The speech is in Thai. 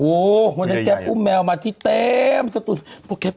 โอ้วแก๊ปอุ้มแมวมาที่เต็ม